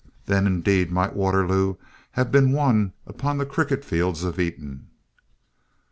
Then, indeed, might Waterloo have been won upon the cricket fields of Eton.